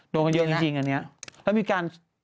มาเยอะจริงอันนี้แล้วมีการ